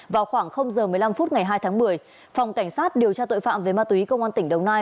vào khoảng giờ một mươi năm phút ngày hai tháng một mươi phòng cảnh sát điều tra tội phạm về ma túy công an tỉnh đồng nai